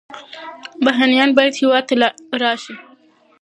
بهرنیان باید هېواد ته راشي.